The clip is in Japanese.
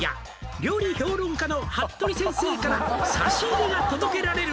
「料理評論家の服部先生から」「差し入れが届けられる」